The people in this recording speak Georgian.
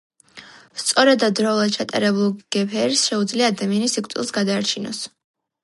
სწორად და დროულად ჩატარებულ გფრ-ს შეუძლია ადამიანი სიკვდილს გადაარჩინოს.